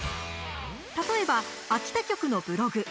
例えば、秋田局のブログ。